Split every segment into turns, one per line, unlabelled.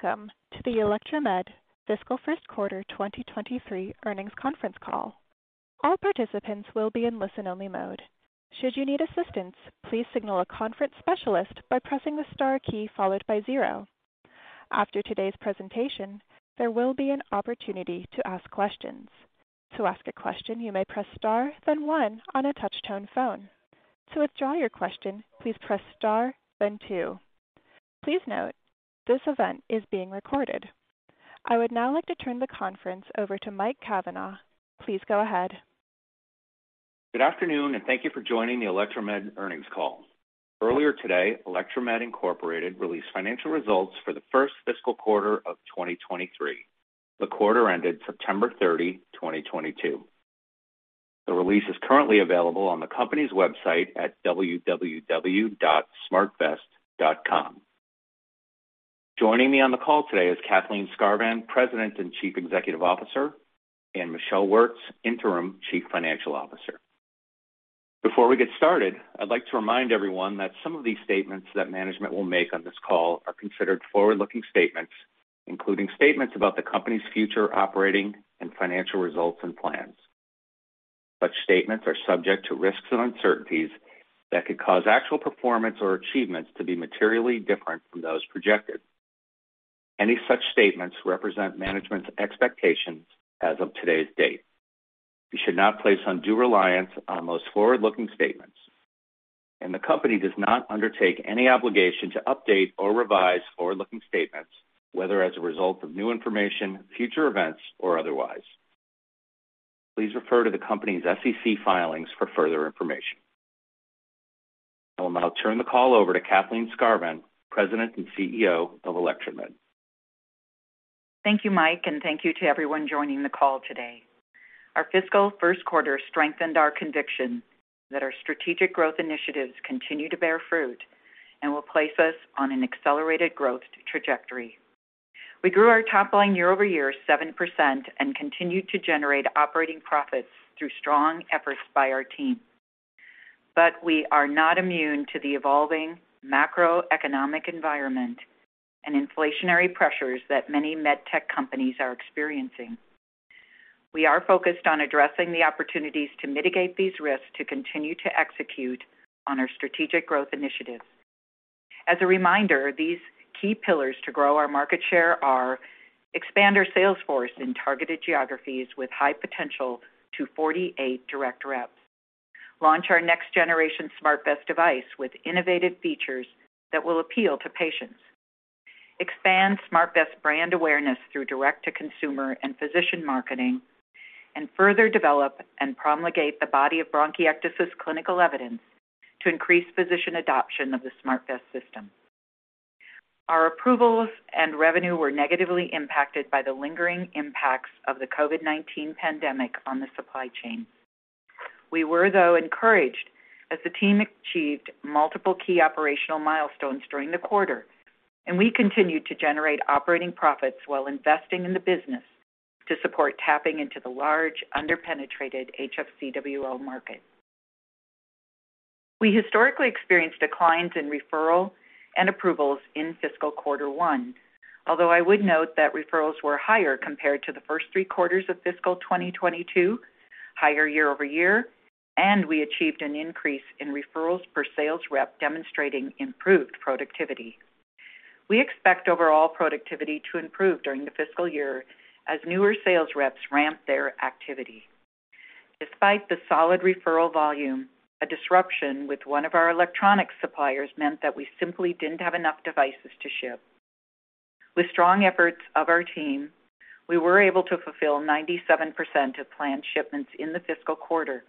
Hello and welcome to the Electromed Fiscal First Quarter 2023 Earnings Conference Call. All participants will be in listen-only mode. Should you need assistance, please signal a conference specialist by pressing the star key followed by zero. After today's presentation, there will be an opportunity to ask questions. To ask a question, you may press star then one on a touch-tone phone. To withdraw your question, please press star then two. Please note, this event is being recorded. I would now like to turn the conference over to Mike Cavanaugh. Please go ahead.
Good afternoon, and thank you for joining the Electromed earnings call. Earlier today, Electromed, Inc. released financial results for the first fiscal quarter of 2023. The quarter ended September 30, 2022. The release is currently available on the company's website at www.smartvest.com. Joining me on the call today is Kathleen Skarvan, President and Chief Executive Officer, and Michelle Wirtz, Interim Chief Financial Officer. Before we get started, I'd like to remind everyone that some of these statements that management will make on this call are considered forward-looking statements, including statements about the company's future operating and financial results and plans. Such statements are subject to risks and uncertainties that could cause actual performance or achievements to be materially different from those projected. Any such statements represent management's expectations as of today's date. You should not place undue reliance on those forward-looking statements, and the company does not undertake any obligation to update or revise forward-looking statements, whether as a result of new information, future events, or otherwise. Please refer to the company's SEC filings for further information. I will now turn the call over to Kathleen Skarvan, President and CEO of Electromed.
Thank you, Mike Cavanaugh, and thank you to everyone joining the call today. Our fiscal first quarter strengthened our conviction that our strategic growth initiatives continue to bear fruit and will place us on an accelerated growth trajectory. We grew our top line year-over-year 7% and continued to generate operating profits through strong efforts by our team. We are not immune to the evolving macroeconomic environment and inflationary pressures that many med tech companies are experiencing. We are focused on addressing the opportunities to mitigate these risks to continue to execute on our strategic growth initiatives. As a reminder, these key pillars to grow our market share are expand our sales force in targeted geographies with high potential to 48 direct reps, launch our next generation SmartVest device with innovative features that will appeal to patients, expand SmartVest brand awareness through direct-to-consumer and physician marketing, and further develop and promulgate the body of bronchiectasis clinical evidence to increase physician adoption of the SmartVest system. Our approvals and revenue were negatively impacted by the lingering impacts of the COVID-19 pandemic on the supply chain. We were, though, encouraged as the team achieved multiple key operational milestones during the quarter, and we continued to generate operating profits while investing in the business to support tapping into the large under-penetrated HFCWO market. We historically experienced declines in referral and approvals in fiscal Q1. Although I would note that referrals were higher compared to the first Q3 of fiscal 2022, higher year-over-year, and we achieved an increase in referrals per sales rep demonstrating improved productivity. We expect overall productivity to improve during the fiscal year as newer sales reps ramp their activity. Despite the solid referral volume, a disruption with one of our electronic suppliers meant that we simply didn't have enough devices to ship. With strong efforts of our team, we were able to fulfill 97% of planned shipments in the fiscal quarter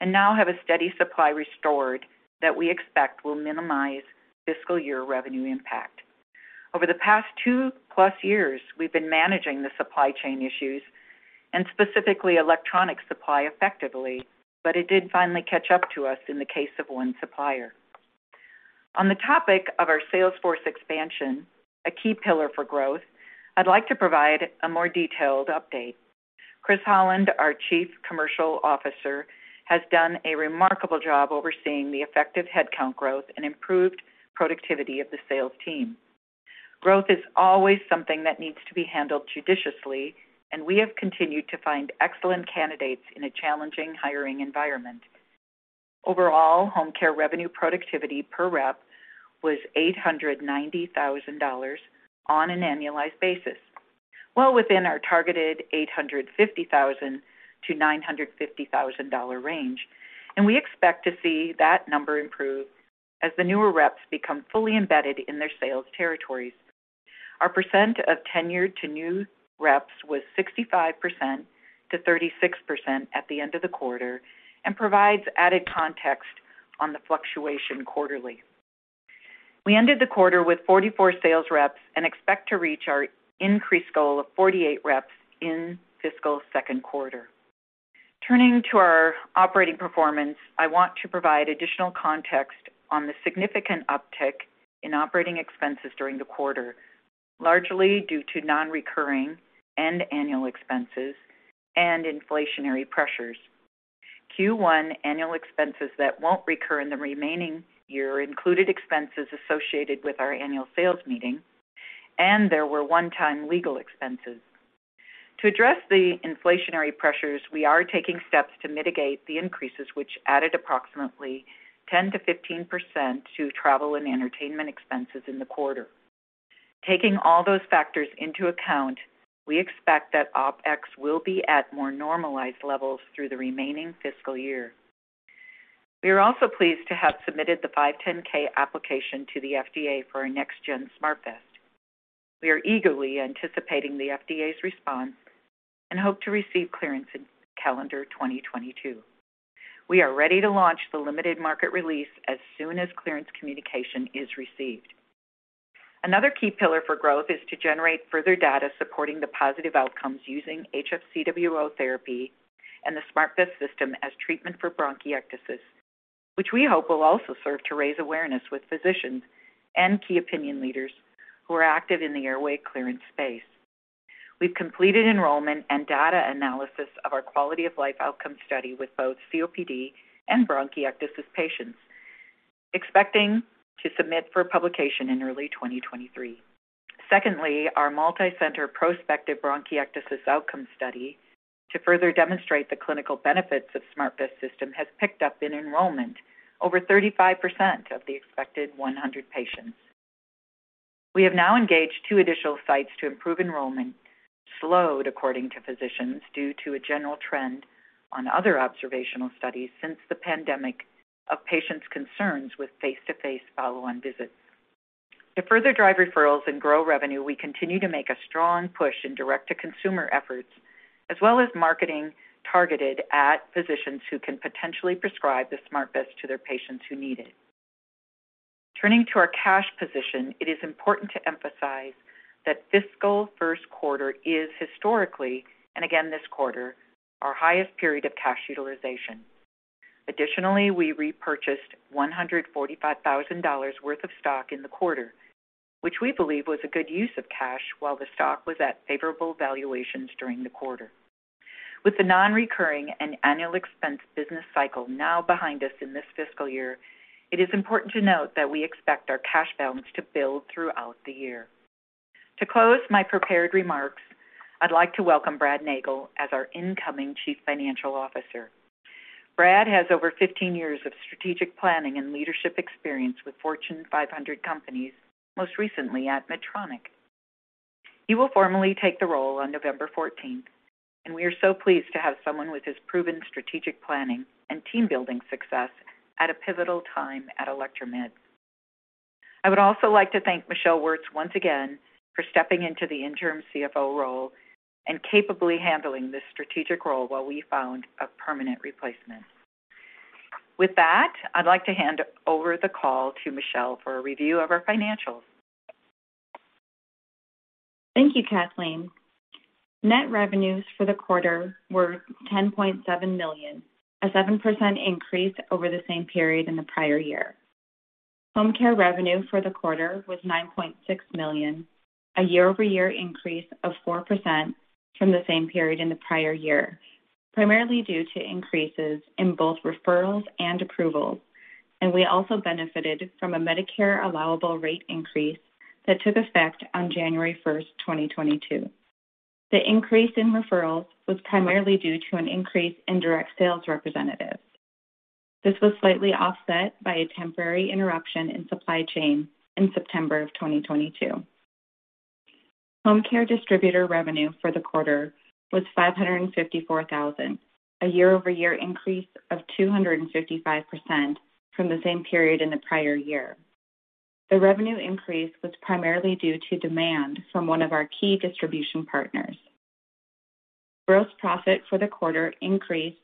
and now have a steady supply restored that we expect will minimize fiscal year revenue impact. Over the past 2+ years, we've been managing the supply chain issues and specifically electronic supply effectively, but it did finally catch up to us in the case of one supplier. On the topic of our sales force expansion, a key pillar for growth, I'd like to provide a more detailed update. Chris Holland, our Chief Commercial Officer, has done a remarkable job overseeing the effective headcount growth and improved productivity of the sales team. Growth is always something that needs to be handled judiciously, and we have continued to find excellent candidates in a challenging hiring environment. Overall, home care revenue productivity per rep was $890,000 on an annualized basis, well within our targeted $850,000-$950,000 range. We expect to see that number improve as the newer reps become fully embedded in their sales territories. Our percent of tenured to new reps was 65%-36% at the end of the quarter and provides added context on the fluctuation quarterly. We ended the quarter with 44 sales reps and expect to reach our increased goal of 48 reps in fiscal second quarter. Turning to our operating performance, I want to provide additional context on the significant uptick in operating expenses during the quarter, largely due to non-recurring and annual expenses and inflationary pressures. Q1 annual expenses that won't recur in the remaining year included expenses associated with our annual sales meeting, and there were one-time legal expenses. To address the inflationary pressures, we are taking steps to mitigate the increases, which added approximately 10%-15% to travel and entertainment expenses in the quarter. Taking all those factors into account, we expect that OpEx will be at more normalized levels through the remaining fiscal year. We are also pleased to have submitted the 510(k) application to the FDA for our next-gen SmartVest. We are eagerly anticipating the FDA's response and hope to receive clearance in calendar 2022. We are ready to launch the limited market release as soon as clearance communication is received. Another key pillar for growth is to generate further data supporting the positive outcomes using HFCWO therapy and the SmartVest system as treatment for bronchiectasis, which we hope will also serve to raise awareness with physicians and key opinion leaders who are active in the airway clearance space. We've completed enrollment and data analysis of our quality of life outcome study with both COPD and bronchiectasis patients, expecting to submit for publication in early 2023. Secondly, our multicenter prospective bronchiectasis outcome study to further demonstrate the clinical benefits of SmartVest system has picked up in enrollment over 35% of the expected 100 patients. We have now engaged 2 additional sites to improve enrollment, slowed according to physicians, due to a general trend on other observational studies since the pandemic of patients' concerns with face-to-face follow-on visits. To further drive referrals and grow revenue, we continue to make a strong push in direct-to-consumer efforts, as well as marketing targeted at physicians who can potentially prescribe the SmartVest to their patients who need it. Turning to our cash position, it is important to emphasize that fiscal first quarter is historically, and again this quarter, our highest period of cash utilization. Additionally, we repurchased $145,000 worth of stock in the quarter, which we believe was a good use of cash while the stock was at favorable valuations during the quarter. With the non-recurring and annual expense business cycle now behind us in this fiscal year, it is important to note that we expect our cash balance to build throughout the year. To close my prepared remarks, I'd like to welcome Brad Nagel as our incoming Chief Financial Officer. Brad has over 15 years of strategic planning and leadership experience with Fortune 500 companies, most recently at Medtronic. He will formally take the role on November fourteenth, and we are so pleased to have someone with his proven strategic planning and team-building success at a pivotal time at Electromed. I would also like to thank Michelle Wirtz once again for stepping into the interim CFO role and capably handling this strategic role while we found a permanent replacement. With that, I'd like to hand over the call to Michelle for a review of our financials.
Thank you, Kathleen. Net revenues for the quarter were $10.7 million, a 7% increase over the same period in the prior year. Home care revenue for the quarter was $9.6 million, a year-over-year increase of 4% from the same period in the prior year, primarily due to increases in both referrals and approvals, and we also benefited from a Medicare allowable rate increase that took effect on January 1st, 2022. The increase in referrals was primarily due to an increase in direct sales representatives. This was slightly offset by a temporary interruption in supply chain in September 2022. Home care distributor revenue for the quarter was $554,000, a year-over-year increase of 255% from the same period in the prior year. The revenue increase was primarily due to demand from one of our key distribution partners. Gross profit for the quarter increased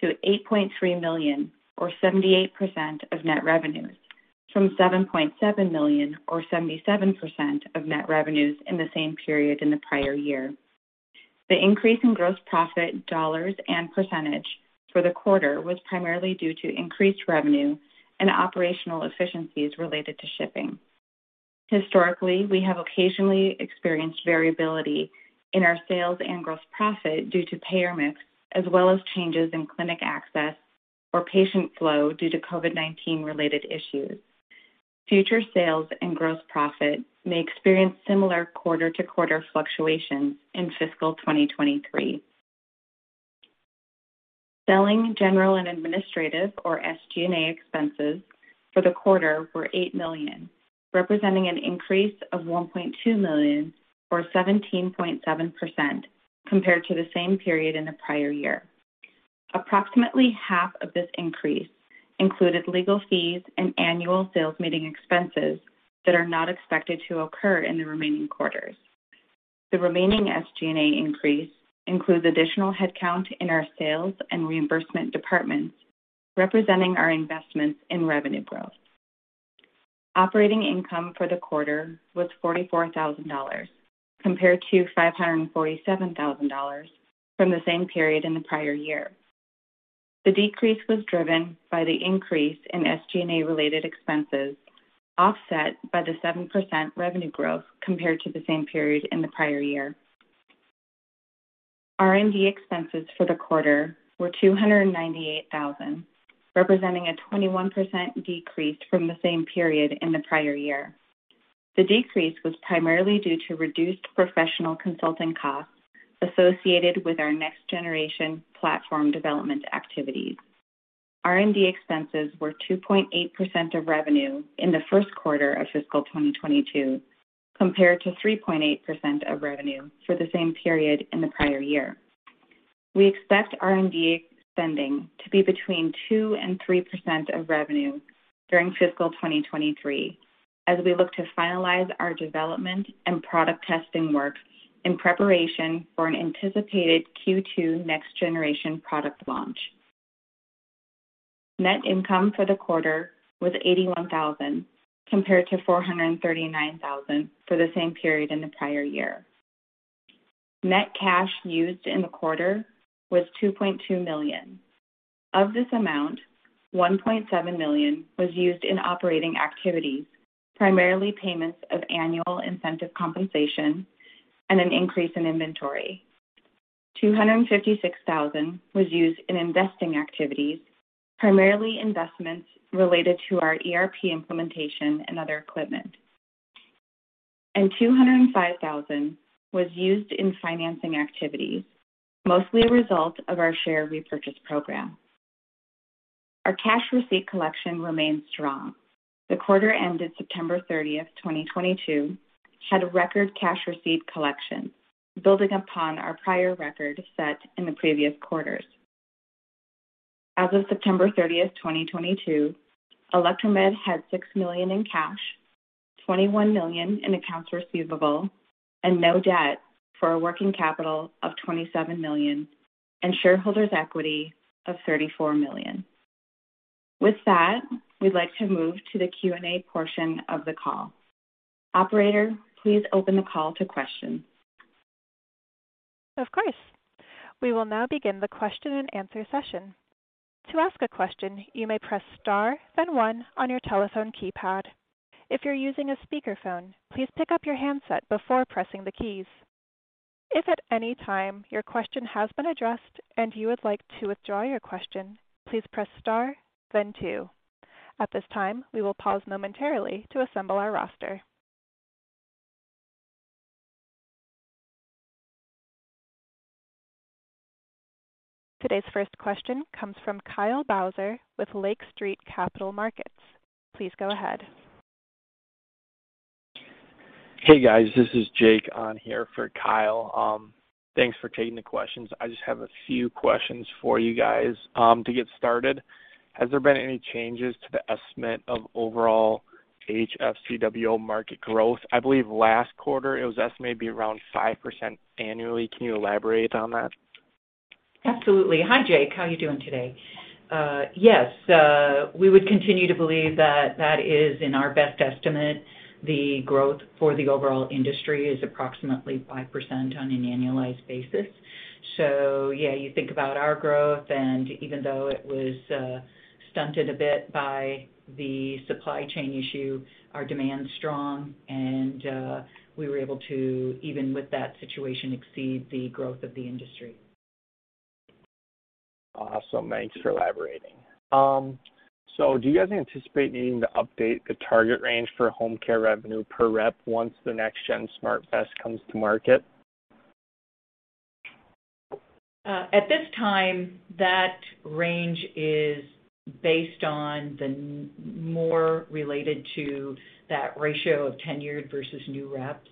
to $8.3 million or 78% of net revenues from $7.7 million or 77% of net revenues in the same period in the prior year. The increase in gross profit dollars and percentage for the quarter was primarily due to increased revenue and operational efficiencies related to shipping. Historically, we have occasionally experienced variability in our sales and gross profit due to payer mix as well as changes in clinic access or patient flow due to COVID-19 related issues. Future sales and gross profit may experience similar quarter-to-quarter fluctuations in fiscal 2023. Selling, general, and administrative or SG&A expenses for the quarter were $8 million, representing an increase of $1.2 million or 17.7% compared to the same period in the prior year. Approximately half of this increase included legal fees and annual sales meeting expenses that are not expected to occur in the remaining quarters. The remaining SG&A increase includes additional headcount in our sales and reimbursement departments, representing our investments in revenue growth. Operating income for the quarter was $44,000 compared to $547,000 from the same period in the prior year. The decrease was driven by the increase in SG&A-related expenses, offset by the 7% revenue growth compared to the same period in the prior year. R&D expenses for the quarter were $298,000, representing a 21% decrease from the same period in the prior year. The decrease was primarily due to reduced professional consulting costs associated with our next generation platform development activities. R&D expenses were 2.8% of revenue in the first quarter of fiscal 2022, compared to 3.8% of revenue for the same period in the prior year. We expect R&D spending to be between 2%-3% of revenue during fiscal 2023 as we look to finalize our development and product testing work in preparation for an anticipated Q2 next generation product launch. Net income for the quarter was $81,000 compared to $439,000 for the same period in the prior year. Net cash used in the quarter was $2.2 million. Of this amount, $1.7 million was used in operating activities, primarily payments of annual incentive compensation and an increase in inventory. $256,000 was used in investing activities, primarily investments related to our ERP implementation and other equipment. 205,000 was used in financing activities, mostly a result of our share repurchase program. Our cash receipt collection remains strong. The quarter ended September 30th, 2022, had a record cash receipt collection building upon our prior record set in the previous quarters. As of September 30th, 2022, Electromed had $6 million in cash, $21 million in accounts receivable, and no debt for a working capital of $27 million and shareholders' equity of $34 million. With that, we'd like to move to the Q&A portion of the call. Operator, please open the call to questions.
Of course. We will now begin the question and answer session. To ask a question, you may press star then one on your telephone keypad. If you're using a speakerphone, please pick up your handset before pressing the keys. If at any time your question has been addressed and you would like to withdraw your question, please press star then two. At this time, we will pause momentarily to assemble our roster. Today's first question comes from Kyle Bauser with Lake Street Capital Markets. Please go ahead.
Hey, guys. This is Jake on here for Kyle. Thanks for taking the questions. I just have a few questions for you guys. To get started, has there been any changes to the estimate of overall HFCWO market growth? I believe last quarter it was estimated to be around 5% annually. Can you elaborate on that?
Absolutely. Hi, Jake. How are you doing today? Yes. We would continue to believe that that is in our best estimate, the growth for the overall industry is approximately 5% on an annualized basis. Yeah, you think about our growth, and even though it was stunted a bit by the supply chain issue, our demand is strong and we were able to, even with that situation, exceed the growth of the industry.
Awesome. Thanks for elaborating. Do you guys anticipate needing to update the target range for home care revenue per rep once the next gen SmartVest comes to market?
At this time, that range is based on the more related to that ratio of tenured versus new reps.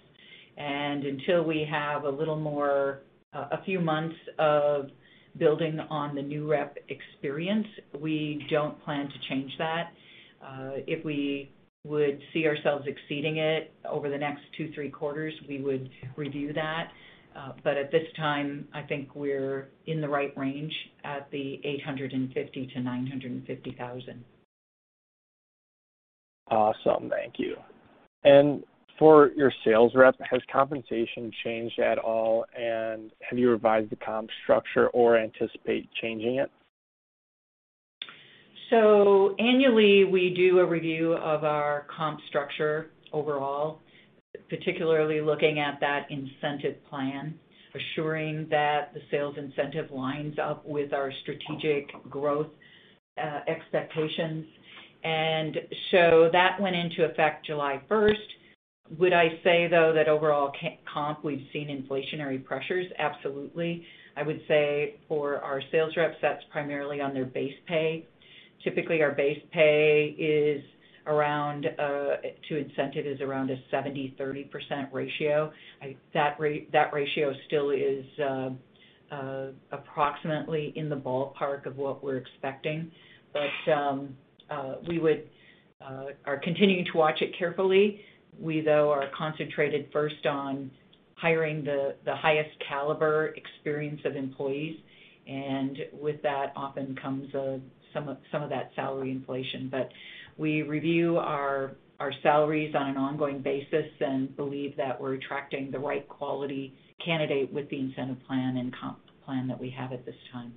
Until we have a little more, a few months of building on the new rep experience, we don't plan to change that. If we would see ourselves exceeding it over the next two, three quarters, we would review that. At this time, I think we're in the right range at the $850,000-$950,000.
Awesome. Thank you. For your sales rep, has compensation changed at all, and have you revised the comp structure or anticipate changing it?
Annually, we do a review of our comp structure overall, particularly looking at that incentive plan, assuring that the sales incentive lines up with our strategic growth expectations. That went into effect July first. Would I say, though, that overall comp, we've seen inflationary pressures? Absolutely. I would say for our sales reps, that's primarily on their base pay. Typically, our base pay is around to incentive is around a 70/30 ratio. That ratio still is approximately in the ballpark of what we're expecting. We are continuing to watch it carefully. We, though, are concentrated first on hiring the highest caliber experienced employees, and with that often comes some of that salary inflation. We review our salaries on an ongoing basis and believe that we're attracting the right quality candidate with the incentive plan and comp plan that we have at this time.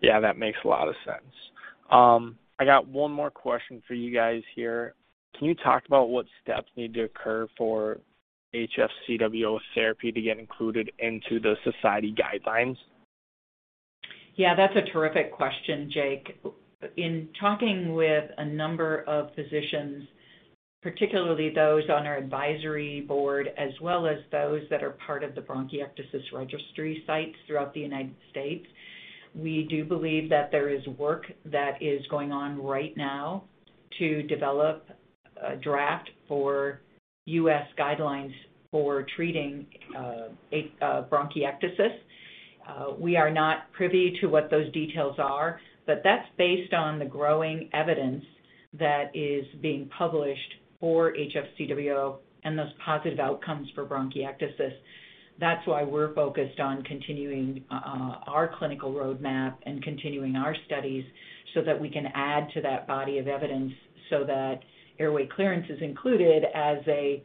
Yeah, that makes a lot of sense. I got one more question for you guys here. Can you talk about what steps need to occur for HFCWO therapy to get included into the society guidelines?
Yeah, that's a terrific question, Jake. In talking with a number of physicians, particularly those on our advisory board as well as those that are part of the bronchiectasis registry sites throughout the United States, we do believe that there is work that is going on right now to develop a draft for U.S. guidelines for treating bronchiectasis. We are not privy to what those details are, but that's based on the growing evidence that is being published for HFCWO and those positive outcomes for bronchiectasis. That's why we're focused on continuing our clinical roadmap and continuing our studies so that we can add to that body of evidence so that airway clearance is included as a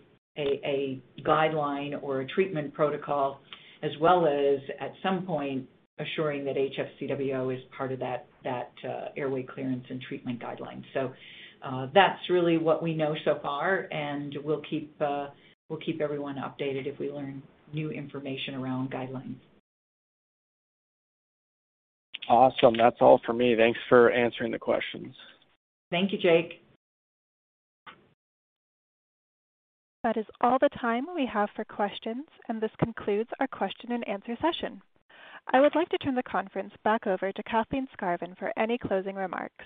guideline or a treatment protocol as well as, at some point, assuring that HFCWO is part of that airway clearance and treatment guidelines. That's really what we know so far, and we'll keep everyone updated if we learn new information around guidelines.
Awesome. That's all for me. Thanks for answering the questions.
Thank you, Jake.
That is all the time we have for questions, and this concludes our question and answer session. I would like to turn the conference back over to Kathleen Skarvan for any closing remarks.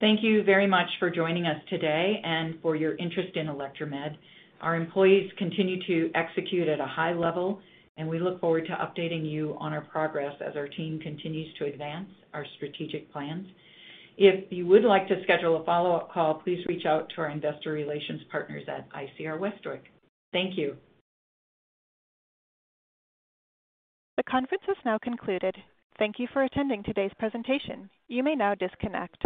Thank you very much for joining us today and for your interest in Electromed. Our employees continue to execute at a high level, and we look forward to updating you on our progress as our team continues to advance our strategic plans. If you would like to schedule a follow-up call, please reach out to our investor relations partners at ICR Westwicke. Thank you.
The conference has now concluded. Thank you for attending today's presentation. You may now disconnect.